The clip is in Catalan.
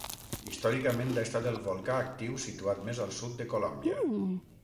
Històricament ha estat el volcà actiu situat més al sud de Colòmbia.